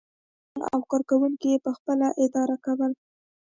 ټول منشیان او کارکوونکي یې پخپله اداره کول.